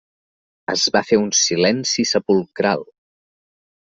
Es va fer un silenci sepulcral.